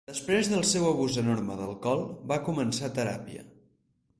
Després del seu abús enorme d'alcohol va començar teràpia.